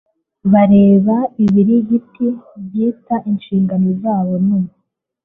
Bareba ibibiriti babyita inshingo zabo nu